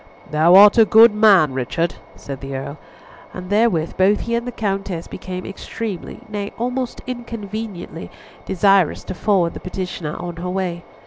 "Thou art a good man, Richard," said the Earl, and therewith both he and the Countess became extremely, nay, almost inconveniently, desirous to forward the petitioner on her way.